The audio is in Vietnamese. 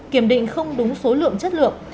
kiểm định không đúng số lượng chất lượng